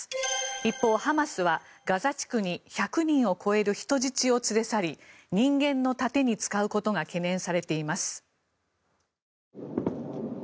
一方、ハマスはガザ地区に１００人を超える人質を連れ去り人間の盾に使うことが懸念されています。